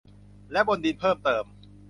และบนดินเพิ่มเติม